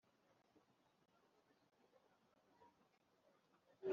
Igihugu cyatangiye gukora kumabanga y’uwo muporitisiye